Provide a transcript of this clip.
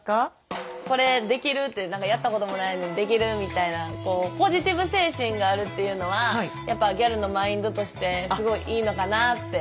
これできる？ってやったこともないのにできるみたいなポジティブ精神があるっていうのはやっぱギャルのマインドとしてすごいいいのかなって思います。